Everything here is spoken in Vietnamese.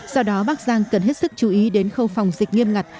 do đó bắc giang cần hết sức chú ý đến khâu phòng dịch nghiêm ngặt